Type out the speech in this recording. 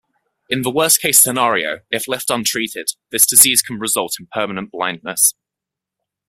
In the worst-case scenario, if left untreated, this disease can result in permanent blindness.